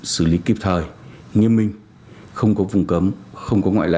xử lý kịp thời nghiêm minh không có vùng cấm không có ngoại lệ